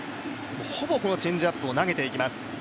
ほぼ、このチェンジアップを投げていきます。